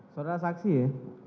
saudara saksi ya